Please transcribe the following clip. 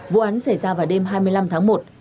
vụ án xảy ra vào đêm hai mươi năm tháng một